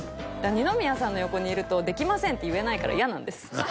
二宮さんの横にいると「できません」って言えないから嫌なんです